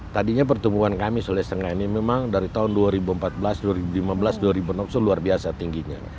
tadinya pertumbuhan kami sulawesi tengah ini memang dari tahun dua ribu empat belas dua ribu lima belas dua ribu enam belas itu luar biasa tingginya